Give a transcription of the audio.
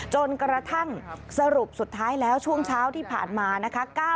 จนกระทั่งสรุปสุดท้ายแล้วช่วงเช้าที่ผ่านมานะคะ